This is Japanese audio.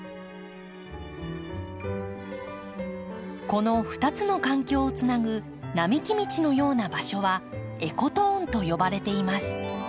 この２つの環境をつなぐ並木道のような場所はエコトーンと呼ばれています。